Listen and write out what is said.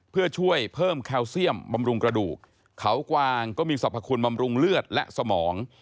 เพื่อช่วยเพิ่มแคลเซียมบำรุงกระดูกเขากวางก็มีสรรพคุณบำรุงเลือดและสมอง